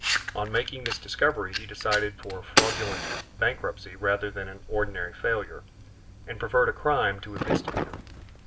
On making this discovery, he decided for a fraudulent bankruptcy rather than an ordinary failure, and preferred a crime to a misdemeanor.